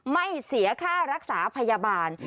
ไม่เสียค่ารักษาพยาบาล